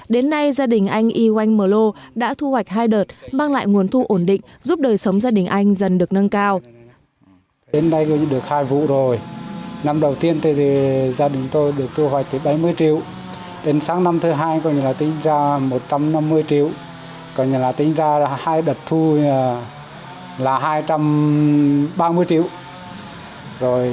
đến nay gia đình anh y oanh mờ lô đã thu hoạch hai đợt mang lại nguồn thu ổn định giúp đời sống gia đình anh dần được nâng cao